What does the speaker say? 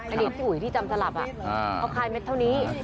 ไอ้เด็กสุยที่จำสลับอ่ะเอาคลายเม็ดเท่านี้